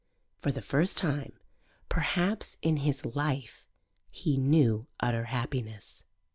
For the first time, perhaps, in his life, he knew utter happiness.